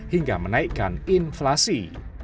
hingga menaikkan inflasi